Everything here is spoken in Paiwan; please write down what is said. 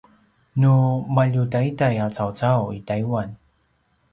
nu maljutaiday a caucau i taiwan